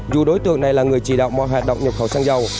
dù đối tượng này là người chỉ đạo mọi hoạt động nhập khẩu xăng dầu